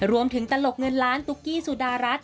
รวมถึงตลกเงินล้านตุ๊กกี้สุดารัส